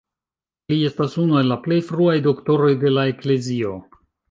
Li estas unu el la plej fruaj Doktoroj de la Eklezio.